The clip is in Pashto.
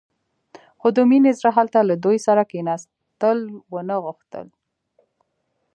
خو د مينې زړه هلته له دوی سره کښېناستل ونه غوښتل.